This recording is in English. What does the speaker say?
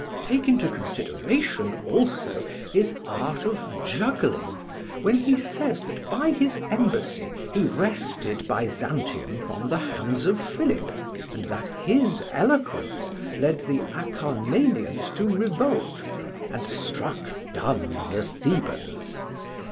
Take into consideration also his art of juggling, when he says that by his embassy he wrested Byzantium from the hands of Philip, and that his eloquence led the Acarnanians to revolt, and struck dumb the Thebans.